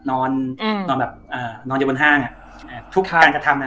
อืมนอนแบบอ่านอนอยู่บนห้างอ่ะอ่าทุกการกระทำอ่ะ